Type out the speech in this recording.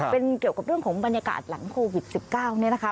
เป็นเกี่ยวกับเรื่องของบรรยากาศหลังโควิด๑๙เนี่ยนะคะ